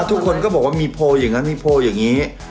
ทุกคนก็บอกว่ามีโพลอย่างนั้นมีโพลอย่างนี้